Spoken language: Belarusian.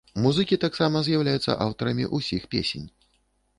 Музыкі таксама з'яўляюцца аўтарамі ўсіх песень.